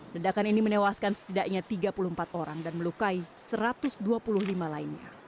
ledakan ini menewaskan setidaknya tiga puluh empat orang dan melukai satu ratus dua puluh lima lainnya